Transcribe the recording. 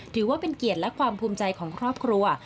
ถือว่าเป็นเกียรติและความภูมิใจของครอบครัว